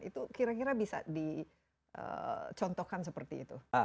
itu kira kira bisa dicontohkan seperti itu